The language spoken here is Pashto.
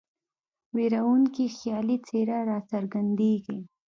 ویرونکې خیالي څېره را څرګندیږي.